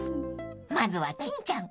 ［まずは金ちゃん］